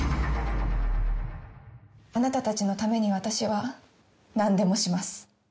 あなたたちのために私は何でもします。